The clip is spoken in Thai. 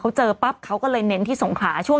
นี่จริงทาง